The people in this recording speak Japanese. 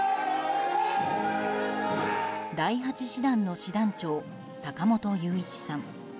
第８師団の師団長坂本雄一さん。